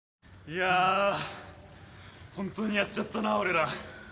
いや本当にやっちゃったな俺ら。